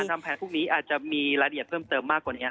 ทำแผนพรุ่งนี้อาจจะมีรายละเอียดเพิ่มเติมมากกว่านี้